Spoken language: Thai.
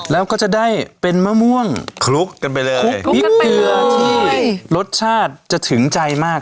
แล้วก็จะได้เป็นมะม่วงคลุกกันไปเลยพริกเกลือที่รสชาติจะถึงใจมาก